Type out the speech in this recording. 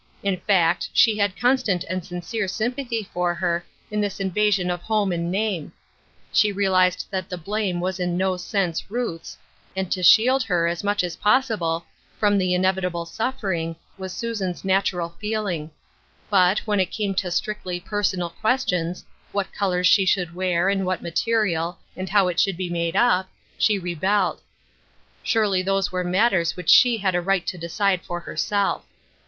In fact, she had constant and sincere sympathy for her in this invasion of home and name. She realized that the blame was in no sense Ruth's, and to shield her, as much as possible, from the inevita* 110 Ruth Erskine's Qro%%e%. ble suffering, was Susan's natural feeling. But, when it came to strictly personal questions — what colors she should wear, and what material, and how it should be made up — she rebelled. Surely those were matters which she had a right to decide for herself.